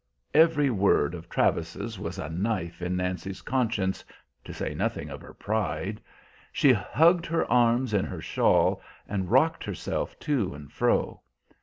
Every word of Travis's was a knife in Nancy's conscience, to say nothing of her pride. She hugged her arms in her shawl, and rocked herself to and fro.